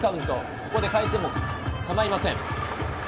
ここで変えても構いません。